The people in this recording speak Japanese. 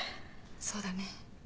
そうだね。